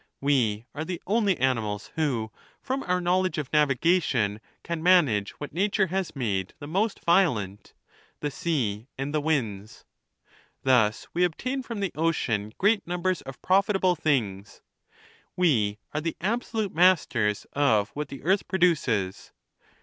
We are the only animals who, from our knowledge of navigation, can manage what nature has made the most violent — the sea and the winds. Thus we obtain from the ocean great numbers of prof itable things. We are the absolute masters of what the earth produces.